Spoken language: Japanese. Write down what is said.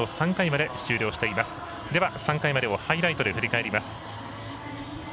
では３回までをハイライトで振り返ります。